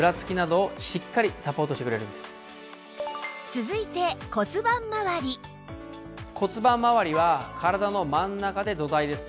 続いて骨盤まわりは体の真ん中で土台です。